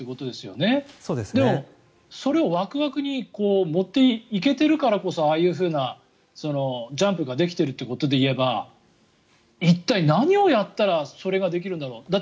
でも、それをワクワクに持っていけてるからこそああいうふうなジャンプができてるということでいえば一体、何をやったらそれができるんだろう。